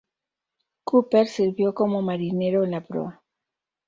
Cooper sirvió como marinero en la proa.